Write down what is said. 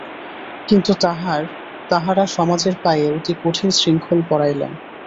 কিন্তু তাঁহারা সমাজের পায়ে অতি কঠিন শৃঙ্খল পরাইলেন।